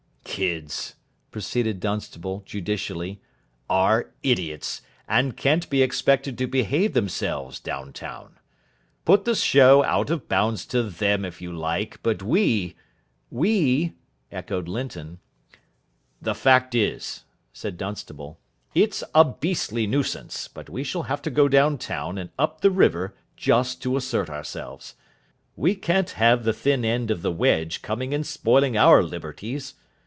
"Kids," proceeded Dunstable, judicially, "are idiots, and can't be expected to behave themselves down town. Put the show out of bounds to them if you like. But We " "We!" echoed Linton. "The fact is," said Dunstable, "it's a beastly nuisance, but we shall have to go down town and up the river just to assert ourselves. We can't have the thin end of the wedge coming and spoiling our liberties.